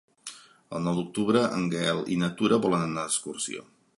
El nou d'octubre en Gaël i na Tura volen anar d'excursió.